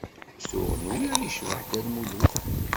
Tuɣ nwiɣ yecbeḥ Dda Lmulud.